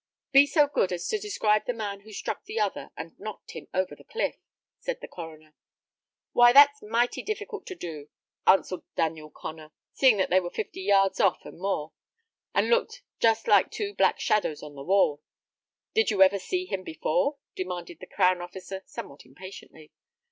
"Be so good as to describe the man who struck the other, and knocked him over the cliff," said the coroner. "Why, that's mighty difficult to do," answered Daniel Connor, "seeing that they were fifty yards off and more, and looked just like two black shadows on the wall." "Did you ever see him before?" demanded the crown officer, somewhat impatiently.